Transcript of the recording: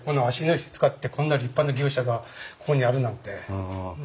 芦野石使ってこんな立派な牛舎がここにあるなんて。